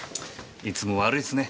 いつも悪いっすね。